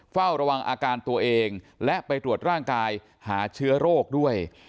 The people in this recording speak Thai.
เฝ้าระวังอาการตัวเองและไปตรวจร่างกายหาเชื้อโรคด้วย